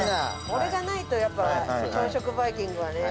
これがないとやっぱ朝食バイキングはね。